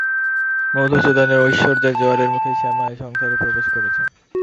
মধুসূদনের ঐশ্বর্যের জোয়ারের মুখেই শ্যামা এ সংসারে প্রবেশ করেছে।